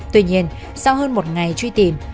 tuy nhiên sau hơn một ngày truy tìm